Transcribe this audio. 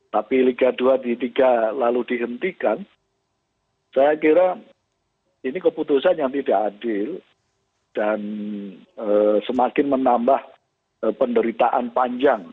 tapi liga dua di tiga lalu dihentikan saya kira ini keputusan yang tidak adil dan semakin menambah penderitaan panjang